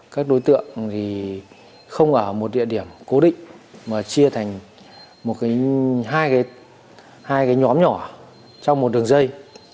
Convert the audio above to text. các đối tượng thì không ở một địa điểm cố định mà chia thành hai nhóm nhỏ trong một đường dây